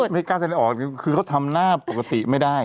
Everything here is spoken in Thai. ไม่กล้าแสดงออกคือเขาทำหน้าปกติไม่ได้